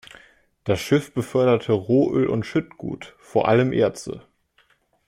Das Schiff beförderte Rohöl und Schüttgut, vor allem Erze.